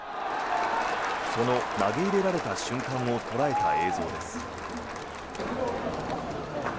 その投げ入れられた瞬間を捉えた映像です。